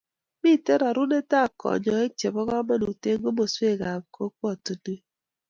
Mitei rarunetab kanyoik chebo komonut eng komosweekab kokwotinweek.